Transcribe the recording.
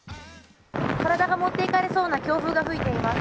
体が持っていかれそうな強風が吹いています。